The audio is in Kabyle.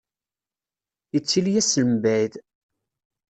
Yettili-as seg mebɛid.